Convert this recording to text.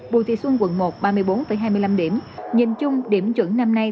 bùi thị xuân quận một ba mươi bốn hai mươi năm điểm nhìn chung điểm chuẩn năm nay